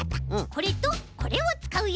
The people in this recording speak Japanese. これとこれをつかうよ。